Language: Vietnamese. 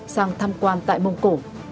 sang thăm quan tại mông cổ